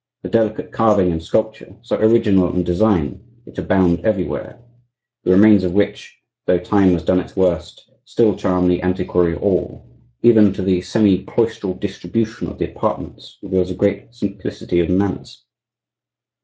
the delicate carving and sculpture, so original in design, which abound everywhere, the remains of which, though time has done its worst, still charm the antiquary, all, even to the semi cloistral distribution of the apartments, reveals a great simplicity of manners.